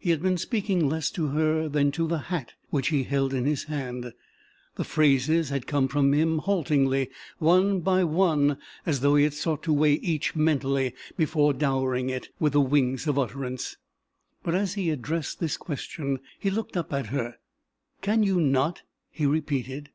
He had been speaking less to her than to the hat which he held in his hand. The phrases had come from him haltingly, one by one, as though he had sought to weigh each mentally before dowering it with the wings of utterance, but, as he addressed this question he looked up at her. "Can you not?" he repeated.